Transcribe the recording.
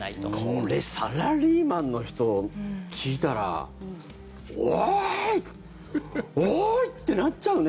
これサラリーマンの人、聞いたらおおい！ってなっちゃうね